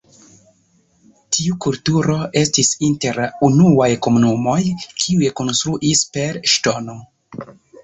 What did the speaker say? Tiu kulturo estis inter la unuaj komunumoj, kiuj konstruis per ŝtono.